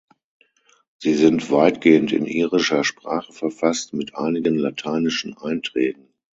Sie sind weitgehend in irischer Sprache verfasst mit einigen lateinischen Einträgen.